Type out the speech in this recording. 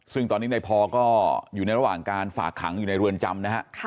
ซึ่งตอนนี้นายพ่อก็อยู่ในระหว่างการฝากขังอยู่ในรวรจำนะครับ